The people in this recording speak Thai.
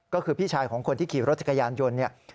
ก็คือพี่ชายของคนที่ขี่รถจักรยานยนต์เนี่ย